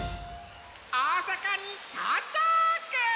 おおさかにとうちゃく！